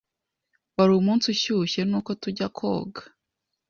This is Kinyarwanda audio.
Wari umunsi ushyushye, nuko tujya koga.